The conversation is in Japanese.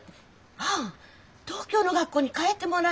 あっ東京の学校に変えてもらえば？